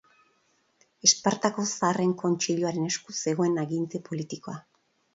Espartako Zaharren Kontseiluaren esku zegoen aginte politikoa